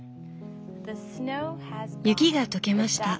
「雪が解けました！